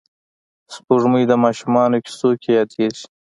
سپوږمۍ د ماشومانو کیسو کې یادېږي